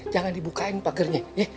jangan dibukain pagernya ya